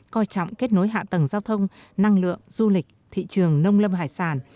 coi trọng kết nối hạ tầng giao thông năng lượng du lịch thị trường nông lâm hải sản